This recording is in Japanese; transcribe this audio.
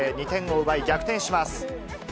２点を奪い、逆転します。